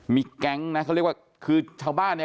มีแก๊งนะเขาเรียกว่าคือชาวบ้านเนี่ย